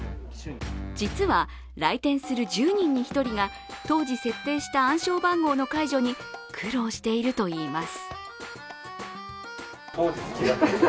実は、来店する１０人に１人が、当時設定した暗証番号の解除に苦労しているといいます。